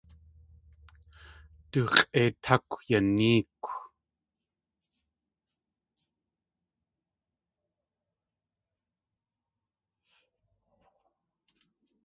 Du x̲ʼeitákw yanéekw.